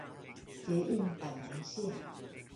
捷運板南線